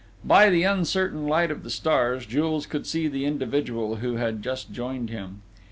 By the uncertain light of the stars, Jules could see the individual who had just joined him.